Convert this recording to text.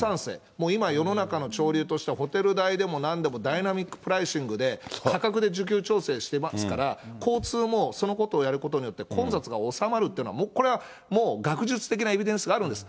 もう今、世の中の潮流としてはホテルでもなんでもダイナミックプライシングで、価格で需給調整してますから、交通もそのことをやることによって、混雑が収まるというのは、もうこれはもう学術的なエビデンスがあるんです。